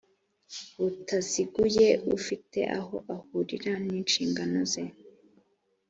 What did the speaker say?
butaziguye ufite aho ahurira n inshingano ze